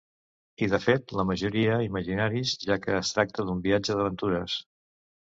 I de fet la majoria imaginaris, ja que es tracta d'un viatge d'aventures.